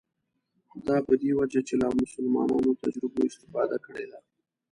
دا په دې وجه چې له نامسلمانو تجربو استفاده کړې ده.